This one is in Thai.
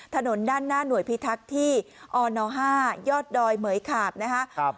ถนนด้านหน้าหน่วยพิทักษ์ที่๕ยอดดอยเมย์ขาบนะฮะ